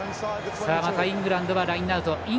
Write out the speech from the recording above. イングランドはラインアウト